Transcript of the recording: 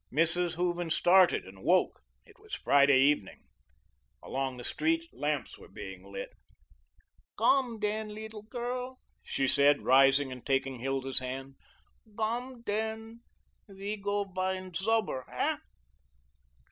Mrs. Hooven started and woke. It was Friday evening. Already the street lamps were being lit. "Gome, den, leedle girl," she said, rising and taking Hilda's hand. "Gome, den, we go vind subber, hey?"